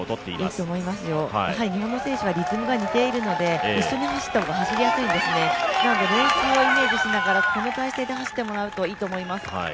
いいと思いますよ、日本の選手はリズムが似ているので走りやすいんですねなので、練習をイメージしながらこの状態で走ってもらうといいと思います。